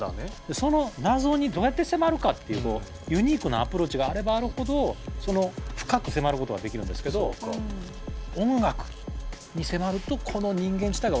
その謎にどうやって迫るかっていうのをユニークなアプローチがあればあるほど深く迫ることができるんですけどこれがね。